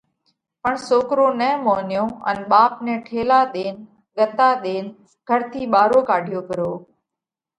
پڻ سوڪرو نہ مونيو ان ٻاپ نئہ ٺيلا ۮينَ، ڳتا ۮينَ گھر ٿِي ٻارو ڪاڍيو پرو۔